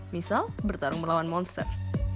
misal bertarung melawan monster